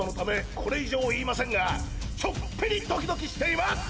これ以上言いませんがちょっぴりドキドキしています。